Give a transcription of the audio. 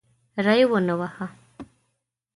ری ونه واهه.